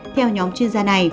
theo nhóm chuyên gia này